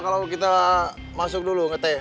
kalau kita masuk dulu ngeteh